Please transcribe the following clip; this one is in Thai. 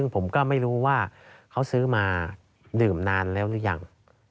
ผมก็ไม่รู้ว่าเขาซื้อมาดื่มนานแล้วหรือยัง